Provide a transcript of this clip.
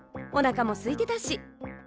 おなかもすいてたし。